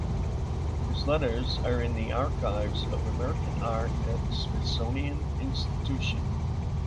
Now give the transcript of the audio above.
His letters are in the Archives of American Art at Smithsonian Institution.